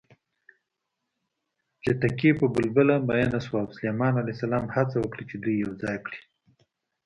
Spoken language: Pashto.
چتکي په بلبله مین شو او سلیمان ع هڅه وکړه چې دوی یوځای کړي